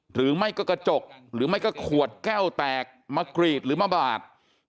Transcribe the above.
หรือไม่ก็กระจกหรือไม่ก็ขวดแก้วแตกมากรีดหรือมาบาด